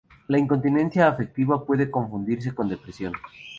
La incontinencia afectiva puede confundirse con depresión.